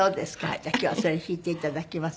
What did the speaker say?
じゃあ今日はそれ弾いて頂きます。